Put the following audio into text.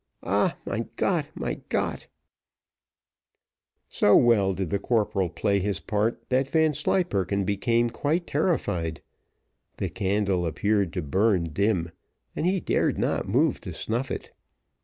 Ah, mein Gott, mein Gott!" So well did the corporal play his part, that Vanslyperken became quite terrified; the candle appeared to burn dim, and he dared not move to snuff it.